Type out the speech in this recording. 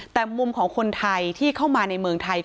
แต่มุมของคนไทยที่เข้ามาในเมืองไทย